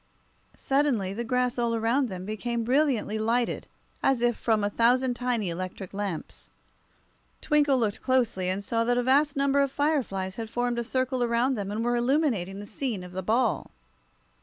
Suddenly the grass all around them became brilliantly lighted, as if from a thousand tiny electric lamps. Twinkle looked closely, and saw that a vast number of fireflies had formed a circle around them, and were illuminating the scene of the ball.